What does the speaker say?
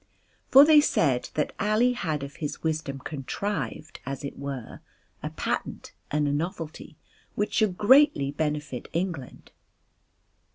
For they said that Ali had of his wisdom contrived as it were a patent and a novelty which should greatly benefit England.